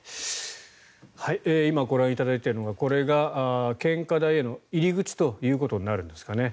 今ご覧いただいているのがこれが献花台への入り口ということになるんですかね。